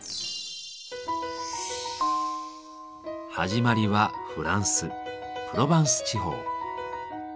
始まりはフランス・プロバンス地方。